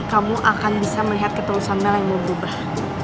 kamu akan bisa melihat ketulusan mel yang mau berubah